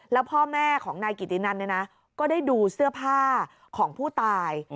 แล้วพ่อแม่ของนายกิตินันเนี่ยนะก็ได้ดูเสื้อผ้าของผู้ตาย